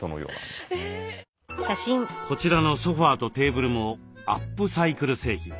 こちらのソファーとテーブルもアップサイクル製品。